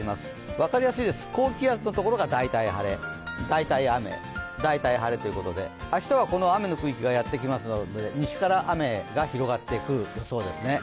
分かりやすいです、高気圧のところが代替晴れ、代替雨、大体晴れということで、明日はこの雨の区域がやってきますので西から雨が広がってくる予想ですね。